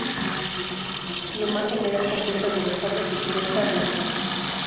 Plumaje negro con puntas de las alas y cresta blancas.